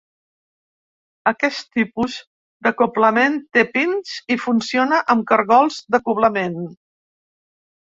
Aquest tipus d'acoblament té pins i funciona amb cargols d'acoblament.